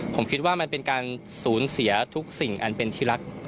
ผมคิดว่ามันเป็นการสูญเสียทุกสิ่งอันเป็นที่รัก